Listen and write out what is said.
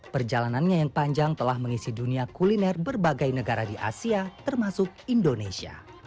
perjalanannya yang panjang telah mengisi dunia kuliner berbagai negara di asia termasuk indonesia